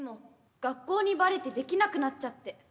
学校にバレてできなくなっちゃって。